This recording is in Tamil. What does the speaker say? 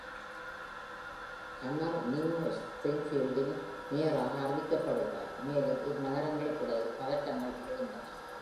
Homer New Springfield இன் மேயராக அறிவிக்கப்படுகிறார், மேலும் இரு நகரங்களுக்கிடையில் பதட்டங்கள் எழுகின்றன.